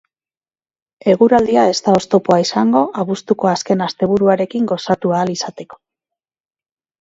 Eguraldia ez da oztopoa izango abuztuko azken asteburuarekin gozatu ahal izateko.